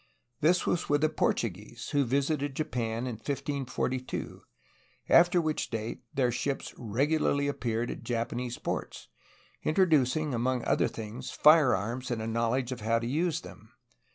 This was with the Portuguese, who visited Japan in 1542, after which date their ships regularly appeared at Japanese ports, introducing firearms, among other things, and a knowledge of how to use them.